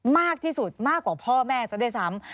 มากที่สุดมากกว่าพ่อแม่ซะด้วยซ้ำ